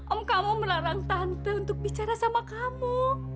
om kamu melarang tante untuk bicara sama kamu